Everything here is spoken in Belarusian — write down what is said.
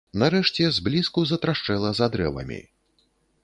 Нарэшце зблізку затрашчэла за дрэвамі.